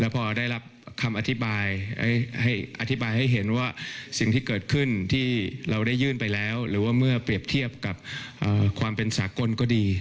พอได้รับคำอธิบายอธิบายให้เห็นว่าสิ่งที่เกิดขึ้นที่เราได้ยื่นไปแล้วหรือว่าเมื่อเปรียบเทียบกับความเป็นสากลก็ดี